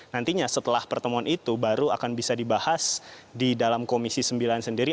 nantinya setelah pertemuan itu baru akan bisa dibahas di dalam komisi sembilan sendiri